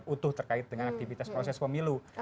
utuh terkait dengan aktivitas proses pemilu